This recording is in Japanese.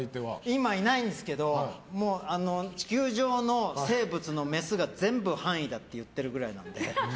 今、いないんですけど地球上の生物のメスが全部、範囲だって言ってるくらいなので。